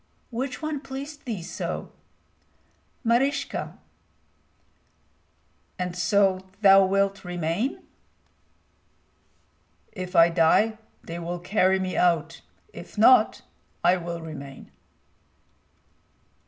"Which one pleased thee so?" "Maryska." "And so thou wilt remain?" "If I die, they will carry me out; if not, I will remain."